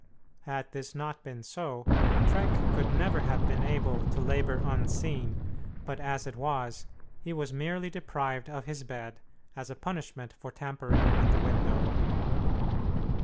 Had this not been so, Trenck could never have been able to labor unseen, but as it was, he was merely deprived of his bed, as a punishment for tampering with the window.